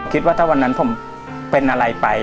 คิดว่าถ้าวันนั้นผมเป็นอะไรไป